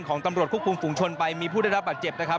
ของตำรวจควบคุมฝุงชนไปมีผู้ได้รับบาดเจ็บนะครับ